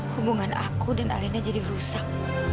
hubungan aku dan alina jadi rusak